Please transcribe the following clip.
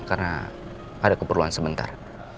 karena ada keperluan sebentar